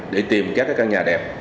để tìm các căn nhà đẹp